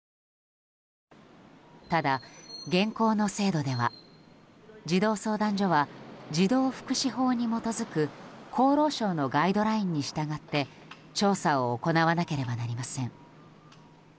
ただ、現行の制度では児童相談所は児童福祉法に基づく厚労省のガイドラインに従って調査を行わなければなりません。